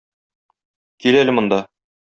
Кил әле монда.